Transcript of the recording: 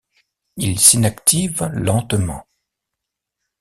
Il s'inactive lentement.